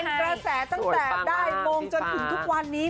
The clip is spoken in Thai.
กระแสตั้งแต่ได้โมงจนถึงทุกวันนี้